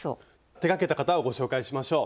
手がけた方をご紹介しましょう。